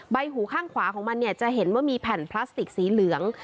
ใบหูข้างขวาของมันเนี่ยจะเห็นว่ามีแผ่นพลาสติกสีเหลือง